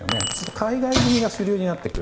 海外組が主流になってくる。